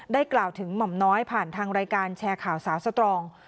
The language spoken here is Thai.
กล่าวถึงหม่อมน้อยผ่านทางรายการแชร์ข่าวสาวสตรอง